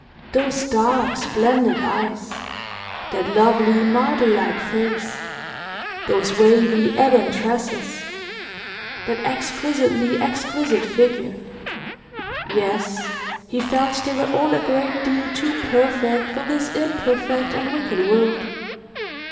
Those dark, splendid eyes; that lovely marblelike face; those wavy ebon tresses; that exquisitely exquisite figure; yes, he felt they were all a great deal too perfect for this imperfect and wicked world.